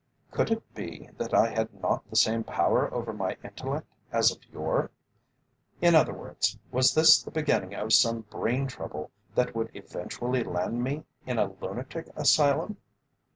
Could it be that I had not the same power over my intellect as of yore? In other words, was this the beginning of some brain trouble that would eventually land me in a lunatic asylum?